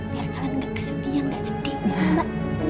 biar kalian gak kesepian gak sedih mbak